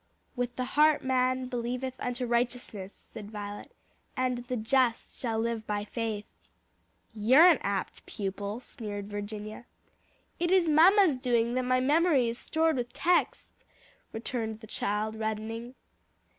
"'With the heart man believeth unto righteousness,'" said Violet; "and 'the just shall live by faith.'" "You're an apt pupil," sneered Virginia. "It is mamma's doing that my memory is stored with texts," returned the child, reddening.